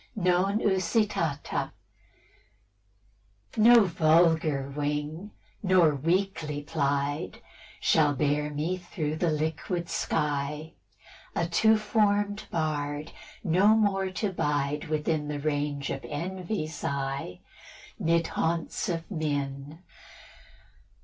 XX. NON USITATA. No vulgar wing, nor weakly plied, Shall bear me through the liquid sky; A two form'd bard, no more to bide Within the range of envy's eye 'Mid haunts of men.